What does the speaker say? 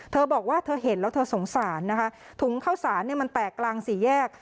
เธอบอกว่าเธอเห็นแล้วเธอสงสารนะคะถุงข้าวสารเนี่ยมันแตกกลางสี่แยก